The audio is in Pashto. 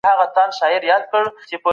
د کندهار هوا ډېری وخت ګرمه وي.